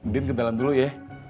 din ke dalam dulu ya